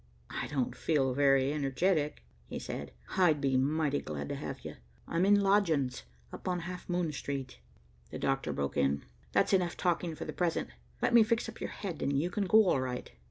"I don't feel very energetic," he said. "I'd be mighty glad to have you. I'm in lodgings up on Half Moon Street." The doctor broke in. "That's enough talking for the present. Let me fix up your head and you can go all right."